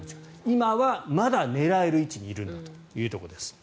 今はまだ狙える位置にいるんだということです。